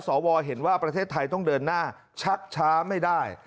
สวเห็นว่าประเทศไทยต้องเดินหน้าชักช้าไม่ได้